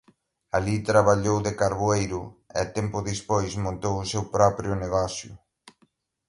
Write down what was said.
Alí traballou de carboeiro e tempo despois montou o seu propio negocio.